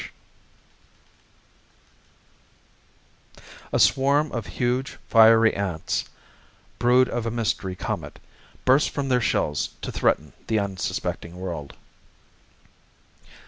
] A swarm of huge, fiery ants, brood of a mystery comet, burst from their shells to threaten the unsuspecting world.